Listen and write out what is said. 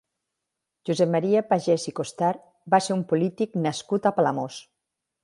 Josep Maria Pagès i Costart va ser un polític nascut a Palamós.